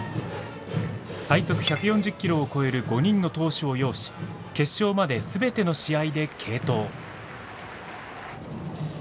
最速１４０キロを超える５人の投手を擁し決勝まで全ての試合で継投。